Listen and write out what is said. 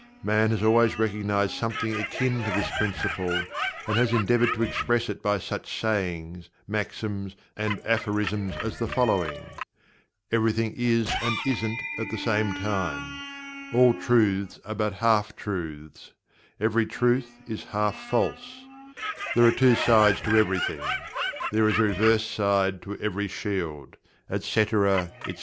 Man has always recognized something akin to this Principle, and has endeavored to express it by such sayings, maxims and aphorisms as the following: "Everything is and isn't, at the same time"; "all truths are but half truths"; "every truth is half false"; "there are two sides to everything" "there is a reverse side to every shield," etc., etc.